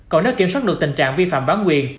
còn nếu kiểm soát được tình trạng vi phạm bán quyền